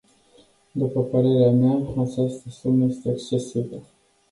După părerea mea, această sumă este excesivă.